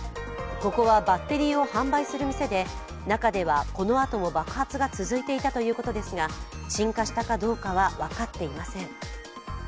ここは、バッテリーを販売する店で中ではこのあとも爆発が続いていたということですが、鎮火したかどうかは分かっていません。